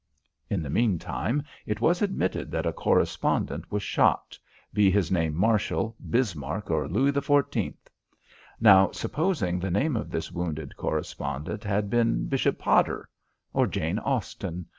In the meantime, it was admitted that a correspondent was shot, be his name Marshall, Bismarck, or Louis XIV. Now, supposing the name of this wounded correspondent had been Bishop Potter? Or Jane Austen?